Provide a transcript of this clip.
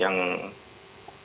yang harus dikonsumsi